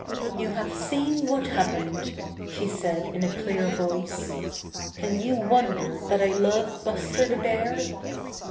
"You have seen what happened,'' she said in a clear voice. "Can you wonder that I love Buster the Bear?